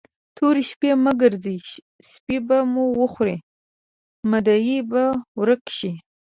تورې شپې مه ګرځئ؛ سپي به وخوري، مدعي به ورک شي.